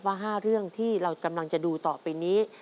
ว่า๕เรื่องที่เรากำลังจะดูต่อไปนี้